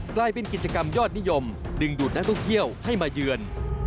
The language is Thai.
กลายเป็นกิจกรรมยอดนิยมดึงดูดนักท่องเที่ยวให้มาเยือน